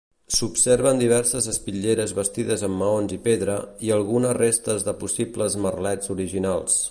S'observen diverses espitlleres bastides amb maons i pedra, i algunes restes de possibles merlets originals.